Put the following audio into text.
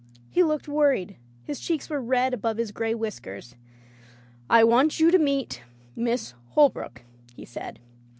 He looked worried; his cheeks were red above his gray whiskers. "I want you to meet Miss Holbrook,'* he said.